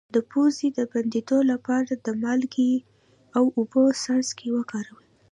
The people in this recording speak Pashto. د پوزې د بندیدو لپاره د مالګې او اوبو څاڅکي وکاروئ